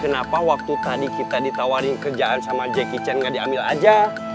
kenapa waktu tadi kita ditawarin kerjaan sama jackie chan gak diambil aja